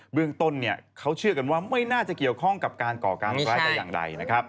เรื่องต้นเขาเชื่อกันว่าไม่น่าจะเกี่ยวข้องกับการก่อการร้ายแต่อย่างใดนะครับ